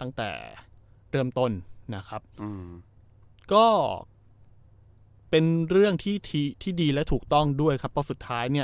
ตั้งแต่เริ่มต้นนะครับอืมก็เป็นเรื่องที่ที่ดีและถูกต้องด้วยครับเพราะสุดท้ายเนี่ย